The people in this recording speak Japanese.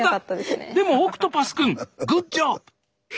でもオクトパス君グッジョブ！